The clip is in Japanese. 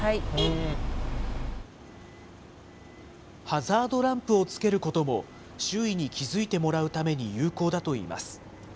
ハザードランプをつけることも、周囲に気付いてもらうために有効だといいます。